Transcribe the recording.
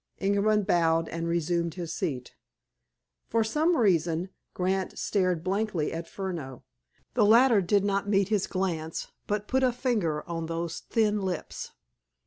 Ingerman bowed, and resumed his seat. For some reason, Grant stared blankly at Furneaux. The latter did not meet his glance, but put a finger on those thin lips.